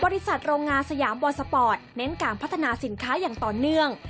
โรงงานสยามบอสปอร์ตเน้นการพัฒนาสินค้าอย่างต่อเนื่อง